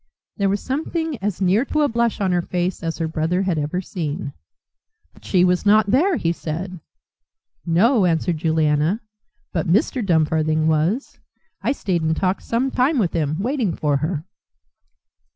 There was something as near to a blush on her face as her brother had ever seen. "But she was not there!" he said. "No," answered Juliana, "but Mr. Dumfarthing was. I stayed and talked some time with him, waiting for her."